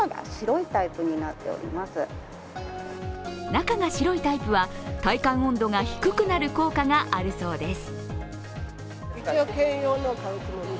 中が白いタイプは体感温度が低くなる効果があるそうです。